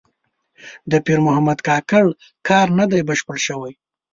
د پیر محمد کاکړ کار نه دی بشپړ شوی.